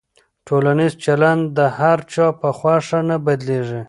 ټولنیز چلند د هر چا په خوښه نه بدلېږي.